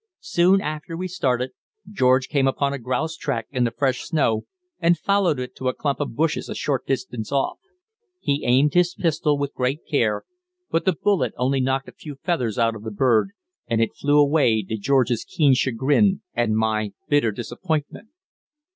Soon after we started, George came upon a grouse track in the fresh snow, and followed it to a clump of bushes a short distance off. He aimed his pistol with great care, but the bullet only knocked a few feathers out of the bird, and it flew away, to George's keen chagrin and my bitter disappointment.